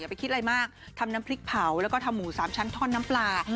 ไปคิดอะไรมากทำน้ำพริกเผาแล้วก็ทำหมู๓ชั้นท่อนน้ำปลา